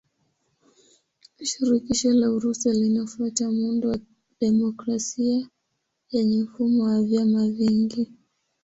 Shirikisho la Urusi linafuata muundo wa demokrasia yenye mfumo wa vyama vingi.